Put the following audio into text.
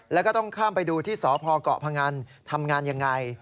และก็ต้องถามไปดูที่สพเกาะพงั้นทำงานอย่างไร